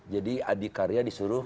jadi adik karya disuruh